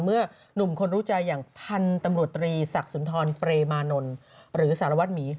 หนุ่มคนรู้ใจอย่างพันธุ์ตำรวจตรีศักดิ์สุนทรเปรมานนท์หรือสารวัตรหมี